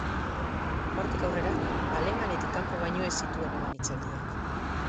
Hortik aurrera, alemanetik kanpo baino ez zituen eman hitzaldiak.